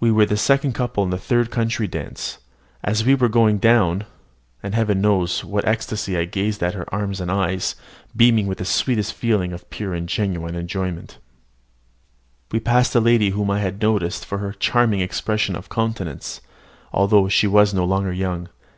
We were the second couple in the third country dance. As we were going down (and Heaven knows with what ecstasy I gazed at her arms and eyes, beaming with the sweetest feeling of pure and genuine enjoyment), we passed a lady whom I had noticed for her charming expression of countenance; although she was no longer young.